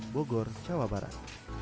bogor jawa barat